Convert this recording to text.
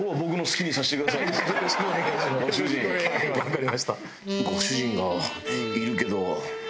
わかりました。